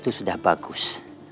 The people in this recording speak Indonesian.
itu sudah bagus